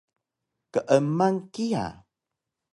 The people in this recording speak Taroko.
Keeman kiya